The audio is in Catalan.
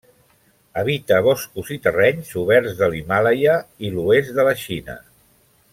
Habita boscos i terrenys oberts de l'Himàlaia i l'oest de la Xina.